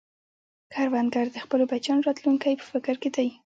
کروندګر د خپلو بچیانو راتلونکې په فکر کې دی